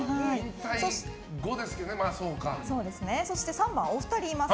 ３番はお二人います。